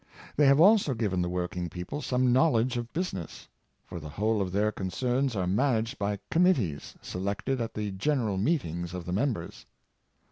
They have also given the working people some knowl edge of business; for the whole of their concerns are managed by committees selected at the general meet ings of the members.